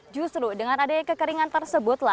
justru dengan adanya kekeringan tersebut